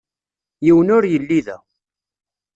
Yiwen ur yelli da.